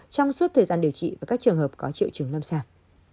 trong suốt thời gian điều trị và các trường hợp có triệu trứng lâm sàng